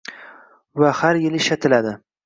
va har yili ishlatiladi